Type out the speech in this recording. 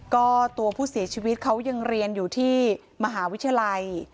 ก็ตัวผู้เสียชีวิตเขายังเรียนอยู่ที่มหาวิทยาลัย